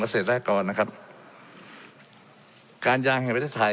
และมีผลกระทบไปทุกสาขาอาชีพชาติ